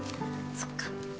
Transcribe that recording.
そっか。